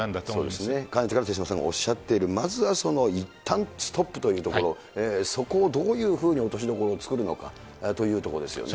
そうですね、かねてから手嶋さんがおっしゃっている、まずはそのいったんストップというところ、そこをどういうふうに落としどころを作るのかというところですよね。